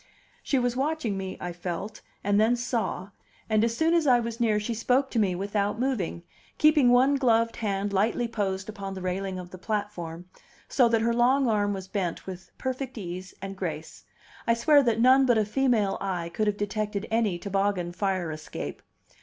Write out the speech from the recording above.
She was watching me, I felt, and then saw; and as soon as I was near she spoke to me without moving, keeping one gloved hand lightly posed upon the railing of the platform, so that her long arm was bent with perfect ease and grace. I swear that none but a female eye could have detected any toboggan fire escape.